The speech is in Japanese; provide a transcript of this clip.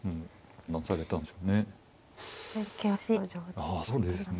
まあそうですね